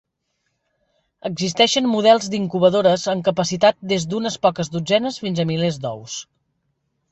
Existeixen models d'incubadores amb capacitat des d'unes poques dotzenes fins a milers d'ous.